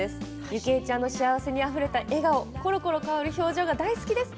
由紀恵ちゃんの幸せにあふれた笑顔、ころころ変わる表情が大好きです。